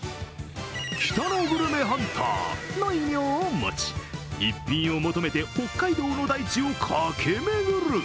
北のグルメハンターの異名を持ち逸品を求めて北海道の大地を駆け巡る。